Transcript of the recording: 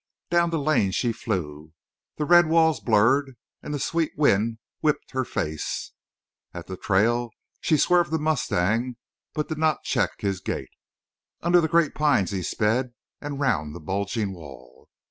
Down the lane she flew. The red walls blurred and the sweet wind whipped her face. At the trail she swerved the mustang, but did not check his gait. Under the great pines he sped and round the bulging wall.